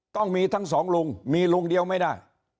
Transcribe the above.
ต้องมีทั้งสองลุงมีลุงเดียวไม่ได้